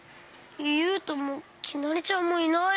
ゆうともきなりちゃんもいない。